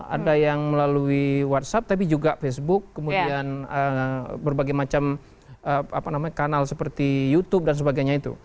ada yang melalui whatsapp tapi juga facebook kemudian berbagai macam kanal seperti youtube dan sebagainya itu